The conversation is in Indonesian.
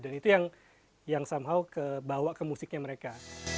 dan itu yang yang somehow kebawa ke musiknya mereka